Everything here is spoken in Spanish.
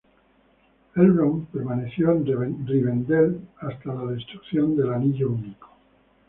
Elrond permaneció en Rivendel hasta la destrucción del Anillo Único.